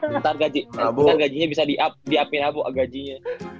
bentar gaji bentar gajinya bisa di upin habu gajinya